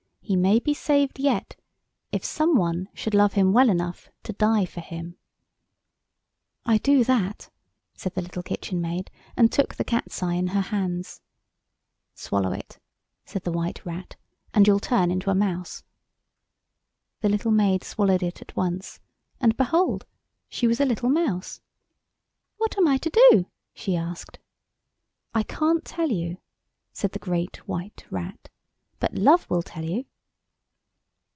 He may be saved yet, if some one should love him well enough to die for him." "I do that," said the little Kitchen Maid, and took the Cat's eye in her hands. "Swallow it," said the White Rat, "and you'll turn into a mouse." The little maid swallowed it at once, and, behold! she was a little mouse. "What am I to do?" she asked. "I can't tell you," said the Great White Rat, "but Love will tell you."